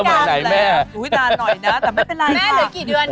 อุ๊ยนานหน่อยนะแต่ไม่เป็นไรค่ะ